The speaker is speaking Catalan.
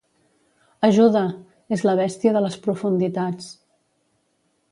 Ajuda! És la bèstia de les profunditats.